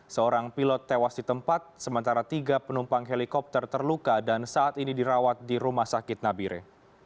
seorang pilot tewas di tempat sementara tiga penumpang helikopter terluka dan saat ini dirawat di rumah sakit nabire